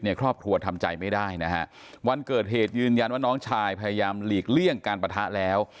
ครอบครัวทำใจไม่ได้นะฮะวันเกิดเหตุยืนยันว่าน้องชายพยายามหลีกเลี่ยงการปะทะแล้ว